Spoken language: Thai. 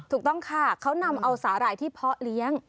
ถูกต้องค่ะเขานำเอาสาหร่ายที่เพาะเลี้ยง